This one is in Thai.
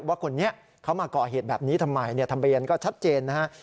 ว่าคนนี้เขามาเกาะเหตุแบบนี้ทำไมทำไปอย่างนั้นก็ชัดเจนนะฮะ